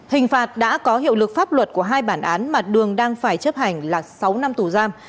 hình phạt đã có hiệu lực pháp luật của hai bản án mà đường đang phải chấp hành là sáu năm tù giam